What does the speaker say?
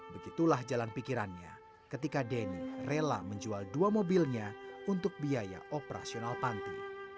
begitulah jalan pikirannya ketika denny rela menjual dua mobilnya untuk biaya operasional panti